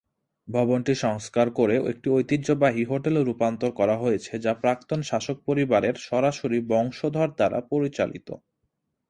ভবনটি সংস্কার করে একটি ঐতিহ্যবাহী হোটেলে রূপান্তর করা হয়েছে যা প্রাক্তন শাসক পরিবারের সরাসরি বংশধর দ্বারা পরিচালিত।